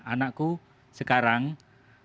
anakku sekarang aku telah serahkan kau